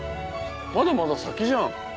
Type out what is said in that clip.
まだまだ先じゃん。